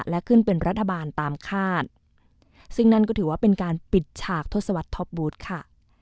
และขึ้นเป็นรัฐบาลตามคาดซึ่งนั่นก็ถือว่าเป็นการปิดฉากทศวรรษท็อปบูธค่ะ